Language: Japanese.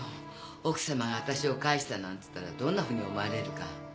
奥様が私を帰したなんて言ったらどんなふうに思われるか。